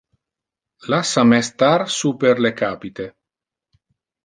Lassa me star super le capite.